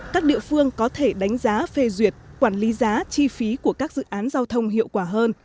các địa phương có thể đánh giá phê duyệt quản lý giá chi phí của các dự án giao thông hiệu quả hơn